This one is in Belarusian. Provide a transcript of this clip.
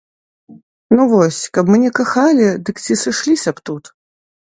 Ну вось, каб мы не кахалі, дык ці сышліся б тут?